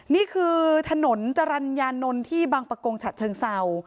นี่คือถนนจรัญญานนที่บางประกงชะเชิงเซา